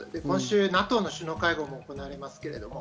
今週、ＮＡＴＯの首脳会合も行われます。